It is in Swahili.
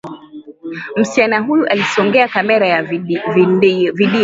Msichana huyu alisongea kamera ya vidio.